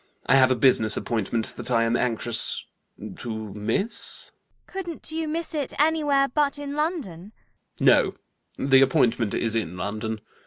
I have a business appointment that I am anxious ... to miss? CECILY. Couldn't you miss it anywhere but in London? ALGERNON. No: the appointment is in London.